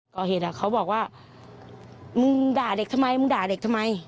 เขาบอกว่ามึงด่าเด็กทำไมมึงด่าเด็กทำไม